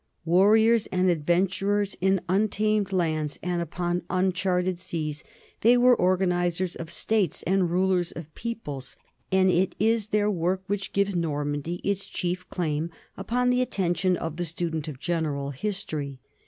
Warriors and adven turers in untamed lands and upon uncharted seas, they were organizers of states and rulers of peoples, and it is their work which gives Normandy its chief claim upon the attention of the student of general history.